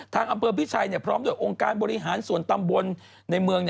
อำเภอพิชัยพร้อมด้วยองค์การบริหารส่วนตำบลในเมือง